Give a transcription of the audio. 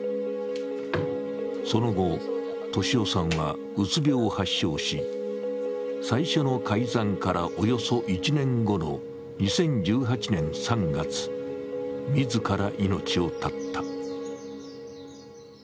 その後、俊夫さんはうつ病を発症し最初の改ざんからおよそ１年後の２０１８年３月、自ら命を絶った。